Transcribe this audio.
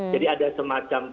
jadi ada semacam